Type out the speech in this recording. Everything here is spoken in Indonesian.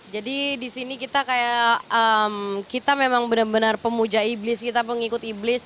jadi di sini kita kayak kita memang benar benar pemuja iblis kita pengikut iblis